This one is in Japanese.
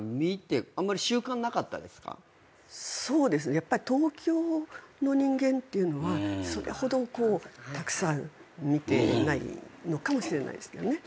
やっぱり東京の人間っていうのはそれほどたくさん見てないのかもしれないですね。